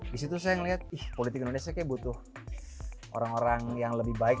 disitu saya ngelihat ih politik indonesia kayanya butuh orang orang yang lebih baik